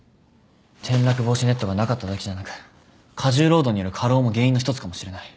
転落防止ネットがなかっただけじゃなく過重労働による過労も原因の一つかもしれない。